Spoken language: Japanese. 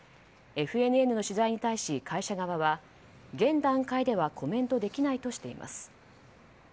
ＦＮＮの取材に対し、会社側は現段階ではコメントできないとしています。